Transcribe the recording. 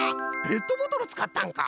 ペットボトルつかったんか。